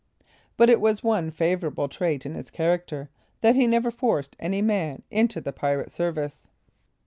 But it was one favorable trait in his character, that he never forced any man into the pirate service.